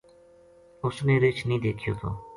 اس نے رچھ نیہہ دیکھیو تھو